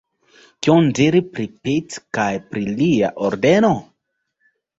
Kion diri pri Piĉ kaj pri lia Ordeno?